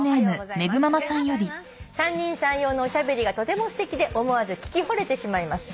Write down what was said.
「三人三様のおしゃべりがとてもすてきで思わず聞きほれてしまいます」